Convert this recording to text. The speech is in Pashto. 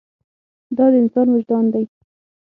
دا د انسان وجدان دی.